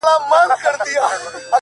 • نن ایله دهقان شیندلي دي تخمونه ,